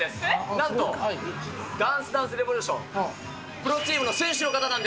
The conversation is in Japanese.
なんとダンスダンスレボリューション、プロチームの選手の方なん